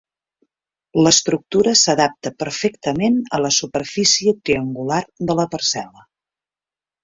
L'estructura s'adapta perfectament a la superfície triangular de la parcel·la.